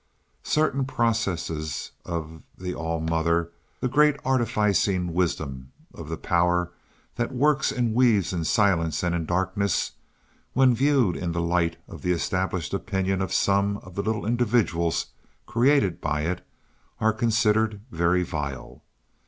Certain processes of the all mother, the great artificing wisdom of the power that works and weaves in silence and in darkness, when viewed in the light of the established opinion of some of the little individuals created by it, are considered very vile.